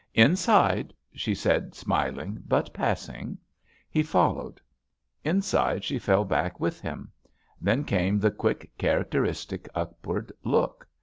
"Inside," she said, smiling but passing. He followed. Inside she fell back with him. Then came the quick, characteristic upward look.